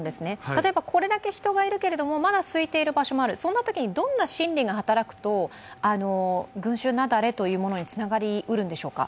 例えばこれだけ人がいるけれども、まだ空いている所もある、そんなときにどんな心理が働くと群集雪崩というものにつながりうるんでしょうか？